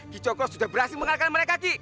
dicoko sudah berhasil mengalahkan mereka ki